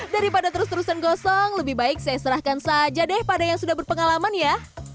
daripada terus terusan gosong lebih baik saya serahkan saja deh pada yang sudah berpengalaman ya